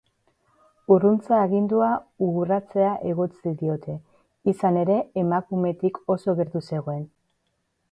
Urruntze agindua urratzea egotzi diote, izan ere, emakumetik oso gertu zegoen.